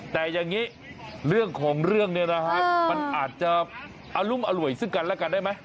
แต่อย่างนี้เรื่องของเรื่องเนี่ยนะฮะมันอาจจะอรุมอร่วยซึ่งกันแล้วกันได้ไหม